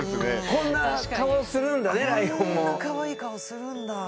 こんなかわいい顔するんだ。